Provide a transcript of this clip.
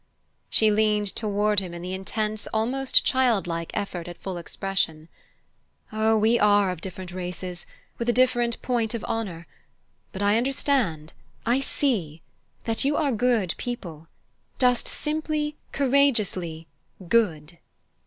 She leaned toward him in the intense, almost childlike, effort at full expression. "Oh, we are of different races, with a different point of honour; but I understand, I see, that you are good people just simply, courageously _good!